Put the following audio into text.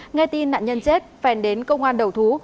nghe tin nạn nhân chết phèn đến công an đầu thú